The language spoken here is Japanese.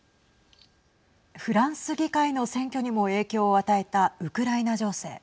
フランス議会の選挙にも影響を与えたウクライナ情勢。